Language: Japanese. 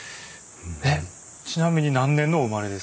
えっちなみに何年のお生まれですか？